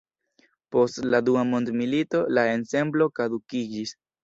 Post la Dua mondmilito la ensemblo kadukiĝis.